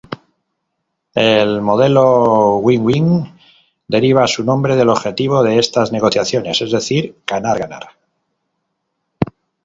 El modelo Win-Win deriva su nombre del objetivo de estas negociaciones, es decir, "ganar-ganar".